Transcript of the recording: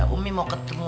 umi mau ketemu